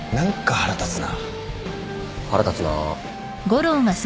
腹立つな。